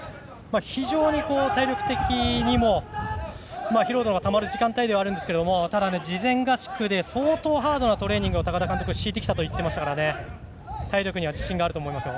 非常に体力的にも疲労度がたまる時間帯ですがただ事前合宿で相当ハードなトレーニングを高田監督は強いてきたといっていましたから体力には自信があると思いますよ。